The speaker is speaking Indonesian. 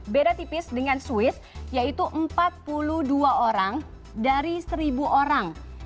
beda tipis dengan swiss yaitu empat puluh dua orang dari seribu orang